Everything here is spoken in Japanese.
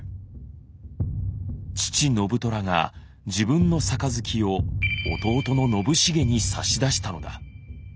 父信虎が自分の杯を弟の信繁に差し出したのだ。